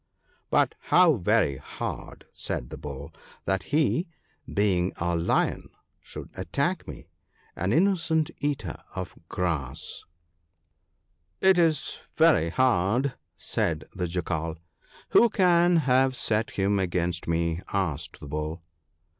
' But how very hard !' said the Bull, ' that he, being a lion, should attack me, an innocent eater of grass !' THE PARTING OF FRIENDS. 85 ' It is very hard !' said the Jackal. ' Who can have set him against me?' asked the Bull.